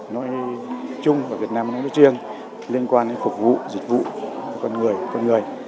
nói chung và việt nam nói chuyên liên quan đến phục vụ dịch vụ con người